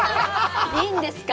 いいんですか？